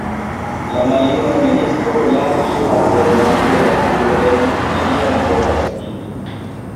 La maljuna ministro, larĝe malfermante la okulojn, nenion povas vidi!